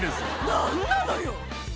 何なのよ。